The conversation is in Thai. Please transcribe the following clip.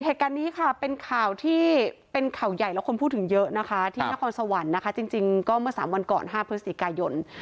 เหตุการณ์นี้ค่ะเป็นข่าวที่เป็นข่าวใหญ่แล้วคนพูดถึงเยอะนะคะที่นครสวรรค์นะคะจริงก็เมื่อ๓วันก่อน๕พฤศจิกายน